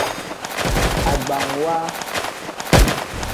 Agbamwa.